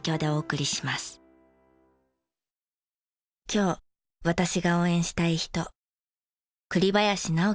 今日私が応援したい人。